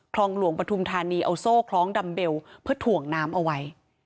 คลองหลวงปฐุมธานีเอาโซ่คล้องดัมเบลเพื่อถ่วงน้ำเอาไว้